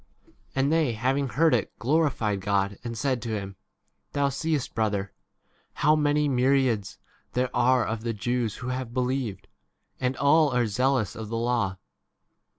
20 And they having heard [it] glorified God, m and said to him, Thou seest, brother, how many myriads there are of the Jews who have believed, 21 and all are zealous of the law.